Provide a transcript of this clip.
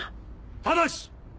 ただし！